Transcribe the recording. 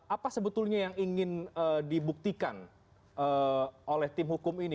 apa sebetulnya yang ingin dibuktikan oleh tim hukum ini